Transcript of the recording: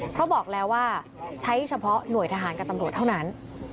เพราะบอกแล้วว่าใช้เฉพาะหน่วยทหารกับตำรวจเท่านั้น